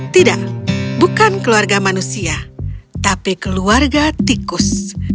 tidak bukan keluarga manusia tapi keluarga tikus